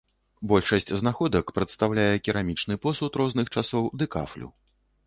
Большасць знаходак прадстаўляе керамічны посуд розных часоў ды кафлю.